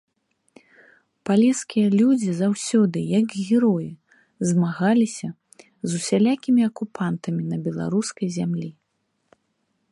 Палескія людзі заўсёды, як героі, змагаліся з усялякімі акупантамі на беларускай зямлі.